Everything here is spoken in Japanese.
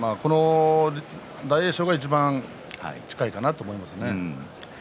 大栄翔がいちばん近いかなと思いますね。